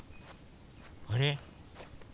あれ？